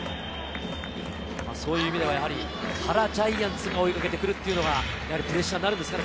原ジャイアンツが追いかけてくるっていうのはプレッシャーになるんですかね。